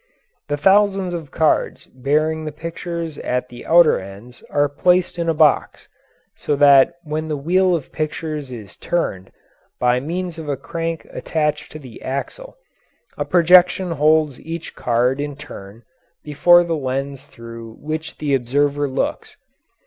The thousands of cards bearing the pictures at the outer ends are placed in a box, so that when the wheel of pictures is turned, by means of a crank attached to the axle, a projection holds each card in turn before the lens through which the observer looks.